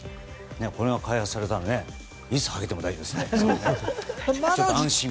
これが開発されたらいつハゲても大丈夫ですね。